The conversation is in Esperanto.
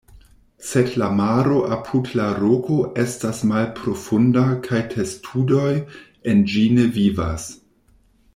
Sed la maro apud la roko estas malprofunda kaj testudoj en ĝi ne vivas.